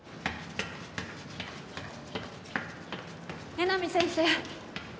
江波先生！